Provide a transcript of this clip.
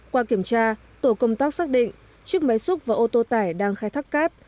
qua kiểm tra tổ công tác xác định chiếc máy xúc và ô tô tải đang khai thác cát